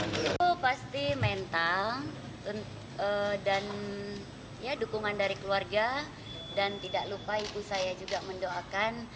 itu pasti mental dan ya dukungan dari keluarga dan tidak lupa ibu saya juga mendoakan